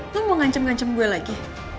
lo mau ngancam ngancam gue lagi